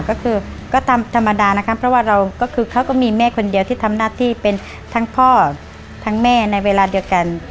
ก็คือก็ธรรมดานะคะเพราะว่าเราก็คือเขาก็มีแม่คนเดียวที่ทำหน้าที่เป็นทั้งพ่อทั้งแม่ในเวลาเดียวกัน